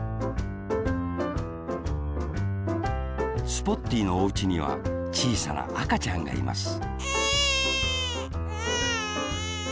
スポッティーのおうちにはちいさなあかちゃんがいますエンエン。